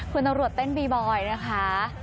คุณตำรวจเต้นบีบอยนะคะ